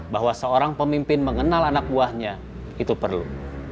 bahwa seorang pemimpin mengenal anak buahnya itu perlu